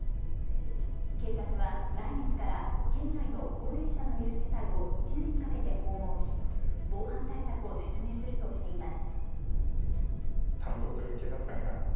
警察は来月から県内の高齢者のいる世帯を１年かけて訪問し防犯対策を説明するとしています。